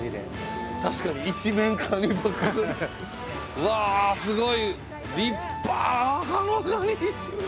うわすごい！